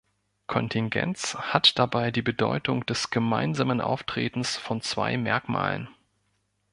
Kontingenz hat dabei die Bedeutung des gemeinsamen Auftretens von zwei Merkmalen.